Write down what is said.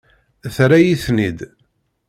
Terra-yi-ten-id.